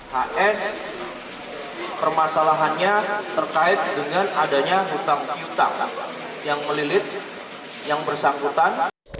hs permasalahannya terkait dengan adanya hutang hutang yang melilit yang bersangkutan